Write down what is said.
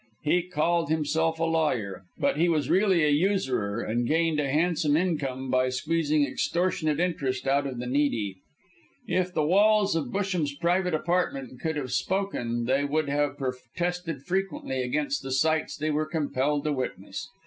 He called himself a lawyer, but he was really a usurer, and gained a handsome income by squeezing extortionate interest out of the needy. If the walls of Busham's private apartment could have spoken they would have protested frequently against the sights they were compelled to witness.